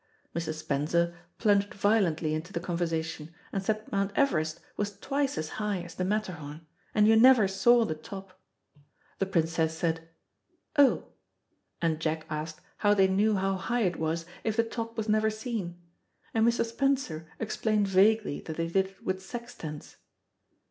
Mr. Spencer plunged violently into the conversation, and said that Mount Everest was twice as high as the Matterhorn, and you never saw the top. The Princess said, "Oh," and Jack asked how they knew how high it was, if the top was never seen, and Mr. Spencer explained vaguely that they did it with sextants.